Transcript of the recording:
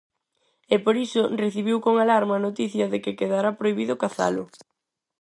E por iso recibiu con alarma a noticia de que quedará prohibido cazalo.